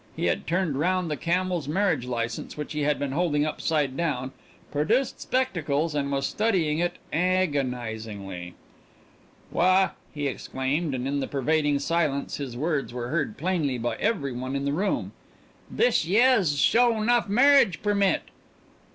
He had turned round the camel's marriage license, which he had been holding upside down, produced spectacles, and was studying it agonizingly. "Why," he exclaimed, and in the pervading silence his words were heard plainly by every one in the room, "this yeah's a sho nuff marriage permit."